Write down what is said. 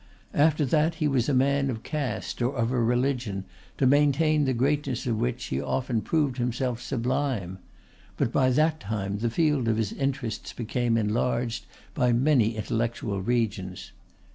After that he was a man of caste or of a religion, to maintain the greatness of which he often proved himself sublime; but by that time the field of his interests became enlarged by many intellectual regions.